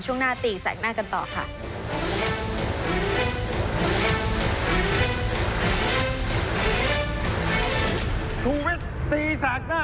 ช่วงหน้าตีแสกหน้ากันต่อค่ะ